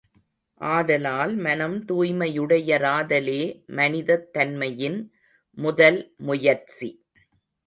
ஆதலால், மனம் தூய்மையுடையாராதலே மனிதத் தன்மையின் முதல் முயற்சி.